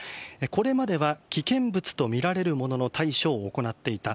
これまでは危険物と見られるものの対処を行っていた。